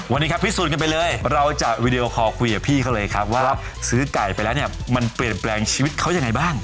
วันนี้ครับพิสูจนกันไปเลยเราจะวีดีโอคอลคุยกับพี่เขาเลยครับว่าซื้อไก่ไปแล้วเนี่ยมันเปลี่ยนแปลงชีวิตเขายังไงบ้าง